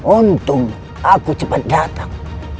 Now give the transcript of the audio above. untung aku cepat datang